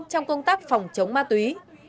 trong công tác phòng chống ma túy